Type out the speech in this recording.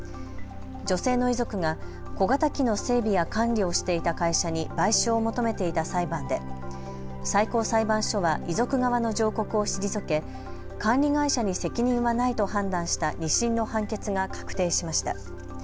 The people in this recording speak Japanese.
女性の遺族が小型機の整備や管理をしていた会社に賠償を求めていた裁判で最高裁判所は遺族側の上告を退け管理会社に責任はないと判断した２審の判決が確定しました。